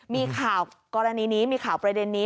มีข่าวกรณีนี้มีข่าวประเด็นนี้